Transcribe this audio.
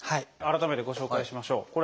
改めてご紹介しましょう。